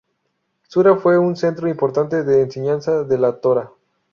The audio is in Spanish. Sura fue un centro importante de enseñanza de la Torá.